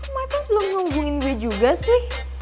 mereka belum ngomongin gue juga sih